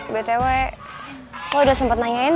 btw gue udah sempet nanyain